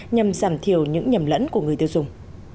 nhằm giảm thiểu những nhầm lẫn của người tiêu dùng